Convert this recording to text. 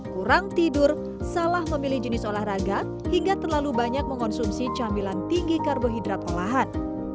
kurang tidur salah memilih jenis olahraga hingga terlalu banyak mengonsumsi camilan tinggi karbohidrat olahan